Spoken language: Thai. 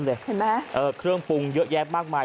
เห็นไหมเครื่องปรุงเยอะแยะมากมาย